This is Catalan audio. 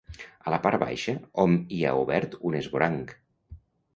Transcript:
A la part baixa hom hi ha obert un esvoranc.